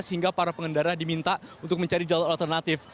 sehingga para pengendara diminta untuk mencari jalur alternatif